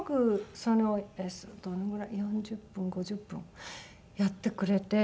どのぐらい４０分５０分やってくれて。